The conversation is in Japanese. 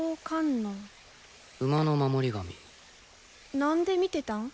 何で見てたん？